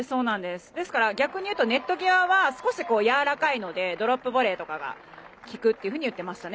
逆に言うとネット際は少しやわらかいのでドロップボレーとかがきくと言ってましたね。